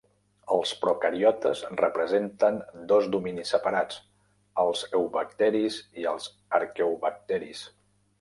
Els procariotes representen dos dominis separats, els eubacteris i els arqueobacteris.